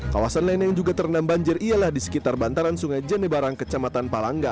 kawasan lain yang juga terendam banjir ialah di sekitar bantaran sungai jenebarang kecamatan palangga